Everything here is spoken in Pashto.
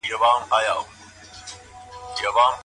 زدهکوونکي د ښوونځي ټولنیزو فعالیتونو کي برخه اخلي.